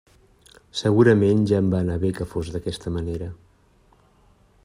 Segurament ja em va anar bé que fos d'aquesta manera.